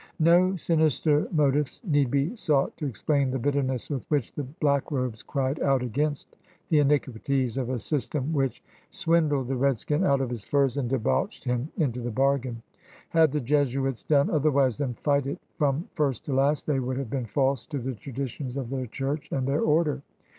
'* No sinister motives need be sought to explain the bitterness with which the blackrobes cried out against the iniquities of a system which xa 178 CRUSADERS OF NEW FRANCE swindled the redskin out of his furs and debauched him into the bargain. Had the Jesuits done otherwise than fight it from first to last they would have been false to the traditions of their Church and their Order.